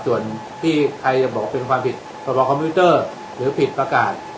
ส่วนที่ใครจะบอกว่าเป็นความผิดพรบคอมพิวเตอร์หรือผิดประกาศ